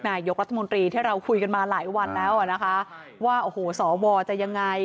นายกรัฐมนตรีที่เราคุยกันมาหลายวันแล้วอ่ะนะคะว่าโอ้โหสวจะยังไง